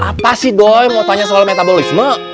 apa si doi mau tanya soal metabolisme